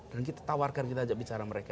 dan kita tawarkan kita ajak bicara mereka